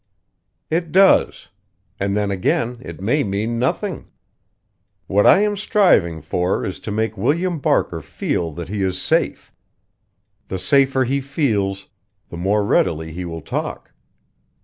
"It does; and then again it may mean nothing. What I am striving for is to make William Barker feel that he is safe. The safer he feels, the more readily he will talk.